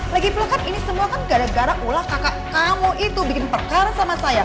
lagi pele kan ini semua kan gara gara ulah kakak kamu itu bikin perkara sama saya